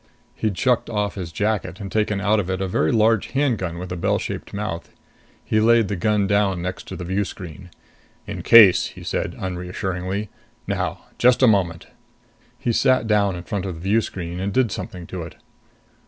He'd shucked off his jacket and taken out of it a very large handgun with a bell shaped mouth. He laid the gun down next to the view screen. "In case," he said, unreassuringly. "Now just a moment." He sat down in front of the view screen and did something to it.